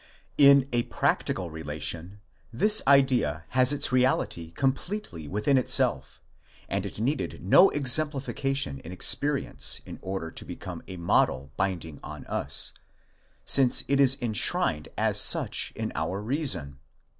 In a practical relation this idea has its reality completely within itself, and it needed no exemplification in experience in order to become a model bind ing on us, since it is enshrined as such in our reason.